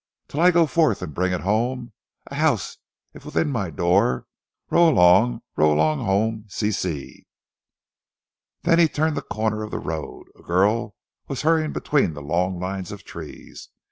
" Till I go forth and bring it home, And house if within my door Row along, row along home, ci, ci!" Then he turned the corner of the road. A girl was hurrying between the long lines of trees.